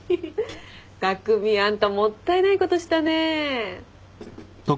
匠あんたもったいないことしたね。